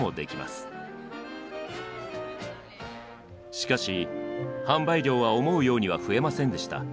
しかし販売量は思うようには増えませんでした。